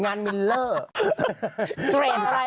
งานมิลเลอร์